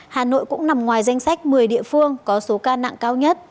hà nội cũng nằm ngoài danh sách một mươi địa phương có số ca nặng cao nhất